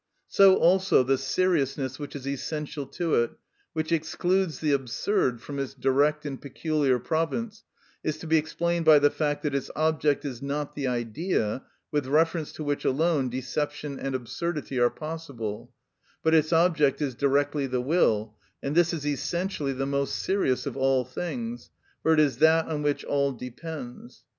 So also the seriousness which is essential to it, which excludes the absurd from its direct and peculiar province, is to be explained by the fact that its object is not the idea, with reference to which alone deception and absurdity are possible; but its object is directly the will, and this is essentially the most serious of all things, for it is that on which all depends.